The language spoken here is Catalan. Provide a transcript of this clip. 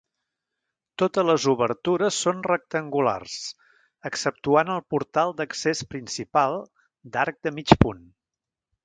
Totes les obertures són rectangulars exceptuant el portal d'accés principal, d'arc de mig punt.